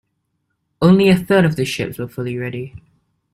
Only a third of the ships were fully ready.